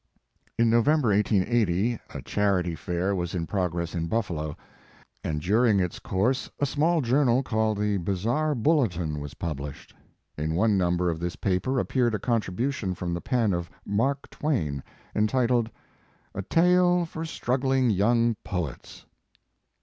In November, 1880, a Charity Fair was in progress in Buffalo, and during its course a small journal, called the Bazaar Bulletin , was published. In one number of this paper appeared a contribution from the pen of Mark Twain, entitled: "A TALK FOR STRUGGLING YOUNG POETS."